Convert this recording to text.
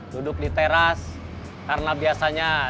duduk di teras karena biasanya